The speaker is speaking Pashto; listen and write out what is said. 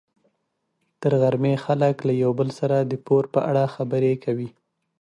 تر غرمې خلک له یو بل سره د پور په اړه خبرې کوي.